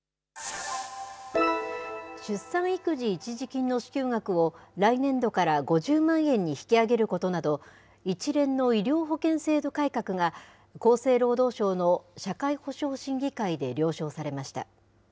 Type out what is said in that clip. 出産育児一時金の支給額を、来年度から５０万円に引き上げることなど、一連の医療保険制度改革が、厚生労働省の社会保障審議会で了承されました。